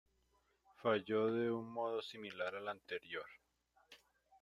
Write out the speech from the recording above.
Falló de un modo similar al anterior.